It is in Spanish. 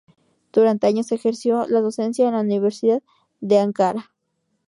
Durante años ejerció la docencia en la Universidad de Ankara.